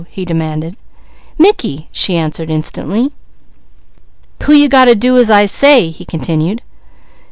he demanded. "Mickey!" she answered instantly. "Who you got to do as I say?" he continued.